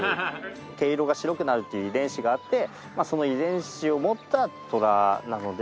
毛色が白くなるっていう遺伝子があってその遺伝子を持ったトラなので白いんですけども。